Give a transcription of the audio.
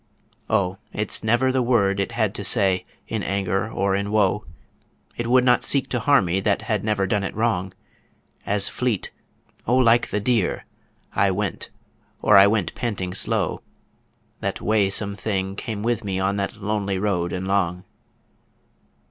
O it's never the word it had to say in anger or in woe It would not seek to harm me that had never done it wrong, As fleet O like the deer! I went, or I went panting slow, The waesome thing came with me on that lonely road and long.